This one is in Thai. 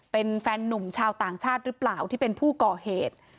เป็นแฟนนุ่มชาวต่างชาติหรือเปล่าที่เป็นผู้ก่อเหตุ